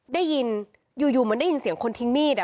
ได้ยินอยู่เหมือนได้ยินเสียงคนทิ้งมีด